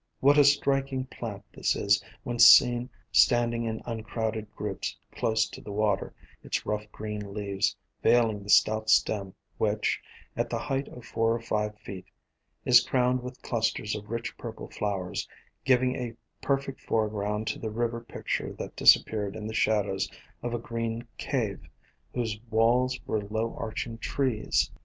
What a strik ing plant this is when seen standing in uncrowded groups close to the water, its rough green leaves veiling the stout stem which, at the height of four or five feet, is crowned with clusters of rich purple flowers, giving a perfect foreground to the river picture that disappeared in the shadows of a green cave, whose walls were low arching trees.